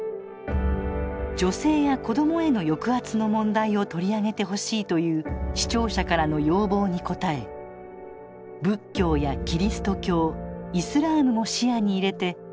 「女性や子どもへの抑圧の問題を取り上げてほしい」という視聴者からの要望に応え仏教やキリスト教イスラームも視野に入れて徹底討論します